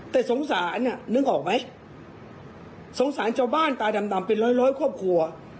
แต่สงสารนึกออกไหมสงสารชาวบ้านตาดำเป็นร้อยร้อยครอบครัว